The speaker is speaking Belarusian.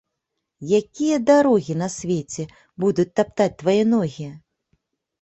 Якія дарогі на свеце будуць таптаць твае ногі?